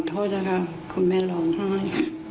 ขอโทษนะครับคุณแม่หลงไห้